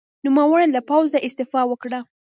نوموړي له پوځه استعفا وکړه.